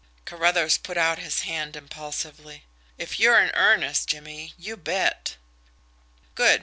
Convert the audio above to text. Carruthers put out his hand impulsively. "If you're in earnest, Jimmie you bet!" "Good!"